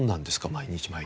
毎日毎日。